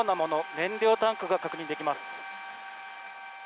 燃料タンクが確認できます。